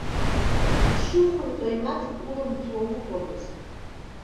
Ԥшыхәыҩ ҟаимаҭк улымҵуа уҟамызт.